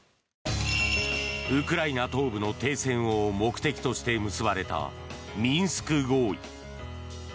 ウクライナ東部の停戦を目的として結ばれたミンスク合意。